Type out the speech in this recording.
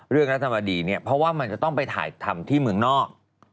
เรื่องรัฐบาลดีเพราะว่ามันจะต้องไปถ่ายธรรมที่เมืองนอก